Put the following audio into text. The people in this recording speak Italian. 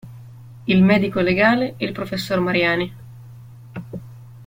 Il medico legale e il professor Mariani.